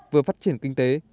vừa phát triển kinh tế